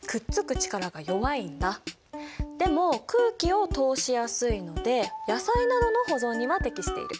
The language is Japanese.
でも空気を通しやすいので野菜などの保存には適している。